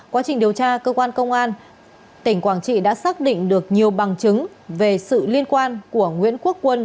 quá trình điều tra cơ quan công an tỉnh quảng trị đã xác định được nhiều bằng chứng về sự liên quan của nguyễn quốc quân